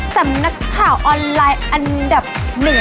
สำนักข่าวออนไลน์อันดับ๑